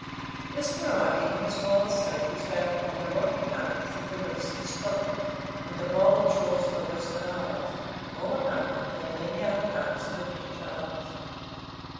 This variety, in its wild state, is found upon the rocky parts of the west of Scotland, and the bold shores of the Western Isles, more abundant than in any other parts of the British islands.